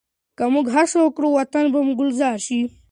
که موږ هڅه وکړو، وطن به مو ګلزار شي.